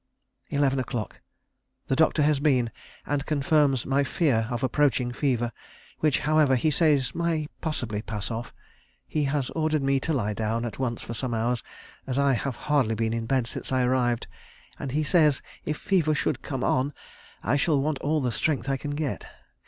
"Eleven o'clock. "The doctor has been, and confirms my fear of approaching fever, which, however, he says may possibly pass off. He has ordered me to lie down at once for some hours, as I have hardly been in bed since I arrived, and he says if fever should come on I shall want all the strength I can get.